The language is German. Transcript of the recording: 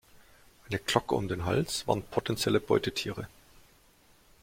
Eine Glocke um den Hals warnt potenzielle Beutetiere.